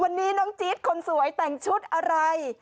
วันนี้น้องจี๊ดคนสวยแต่งชุดอะไร